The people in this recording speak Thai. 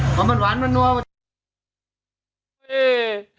เพราะมันหวานมันนั่ว